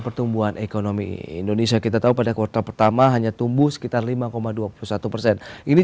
pertumbuhan ekonomi indonesia kita tahu pada kuartal pertama hanya tumbuh sekitar lima dua puluh satu persen ini